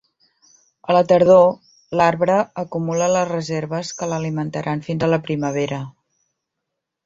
A la tardor, l'arbre acumula les reserves que l'alimentaran fins la primavera.